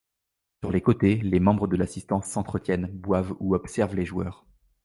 Sur les côtés, les membres de l'assistance s'entretiennent, boivent ou observent les joueurs.